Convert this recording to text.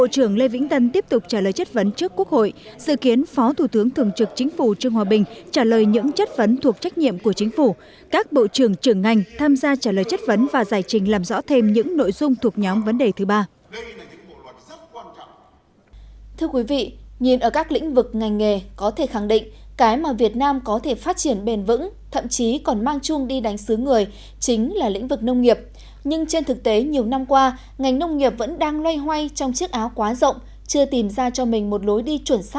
trên thực tế nhiều năm qua ngành nông nghiệp vẫn đang loay hoay trong chiếc áo quá rộng chưa tìm ra cho mình một lối đi chuẩn xác thích ứng với nền nông nghiệp thế giới